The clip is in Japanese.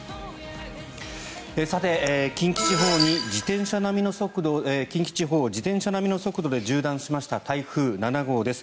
さて、近畿地方を自転車並みの速度で縦断しました台風７号です。